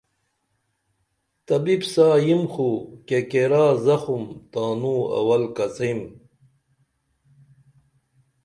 طبیپ سا یم خو کےکیرا زخم تانوں اول کڅئیم